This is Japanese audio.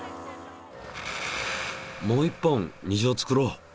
もう１本虹を作ろう。